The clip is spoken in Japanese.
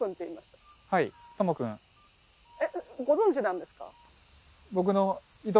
えっご存じなんですか？